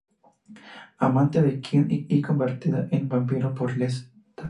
Amante de Quinn y convertida en vampiro por Lestat.